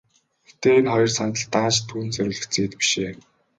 Гэхдээ энэ хоёр сандал даанч түүнд зориулагдсан эд биш ээ.